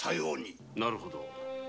なるほど。